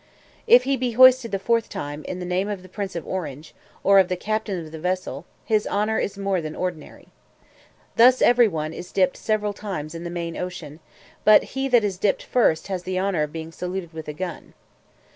If he be hoisted the fourth time, in the name of the Prince of Orange, or of the captain of the vessel, his honour is more than ordinary. Thus every one is dipped several times in the main ocean; but he that is dipped first has the honour of being saluted with a gun.